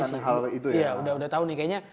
sudah tahu nih